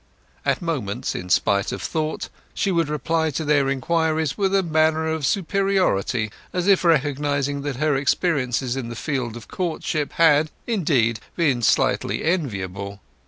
At moments, in spite of thought, she would reply to their inquiries with a manner of superiority, as if recognizing that her experiences in the field of courtship had, indeed, been slightly enviable.